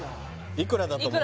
いくらだと思う？